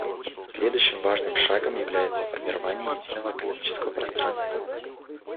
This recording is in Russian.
Следующим важным шагом является формирование единого экономического пространства.